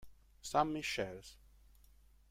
St. Michaels